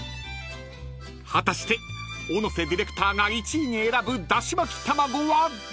［果たして小野瀬ディレクターが１位に選ぶだし巻き玉子はどれ⁉］